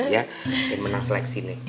ya yang menang seleksi nek